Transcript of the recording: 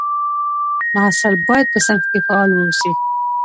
محصل باید په صنف کې فعال واوسي.